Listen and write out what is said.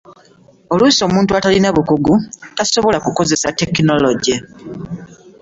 oluusi omuntu atalina bukugu tasobola kukozesa tekinologiya.